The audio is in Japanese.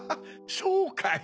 そうかい？